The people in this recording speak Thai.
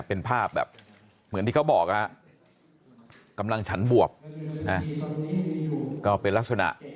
เป็นภาพแบบเหมือนที่เขาบอกกำลังฉันบวบนะก็เป็นลักษณะ